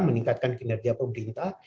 meningkatkan kinerja pemerintah